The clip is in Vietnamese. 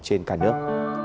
trên cả nước